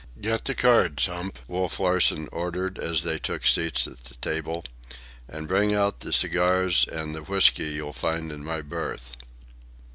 "Get the cards, Hump," Wolf Larsen ordered, as they took seats at the table. "And bring out the cigars and the whisky you'll find in my berth."